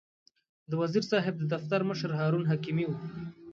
د وزیر صاحب د دفتر مشر هارون حکیمي و.